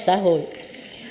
ảnh hưởng xấu